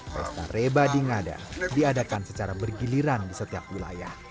pesta reba di ngada diadakan secara bergiliran di setiap wilayah